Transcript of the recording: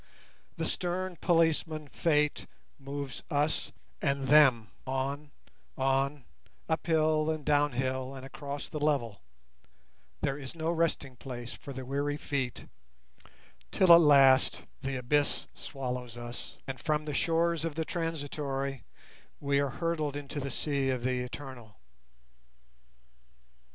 The stern policeman Fate moves us and them on, on, uphill and downhill and across the level; there is no resting place for the weary feet, till at last the abyss swallows us, and from the shores of the Transitory we are hurled into the sea of the Eternal.